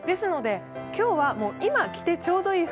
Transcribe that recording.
今日は、今着てちょうどいい服、